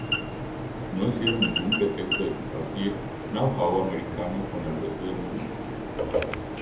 No hicieron ningún pretexto de compartir Know-how americano con el resto del mundo.